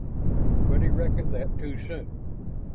But he reckoned that too soon.